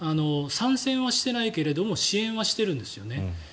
参戦はしてないけども支援はしてるんですよね。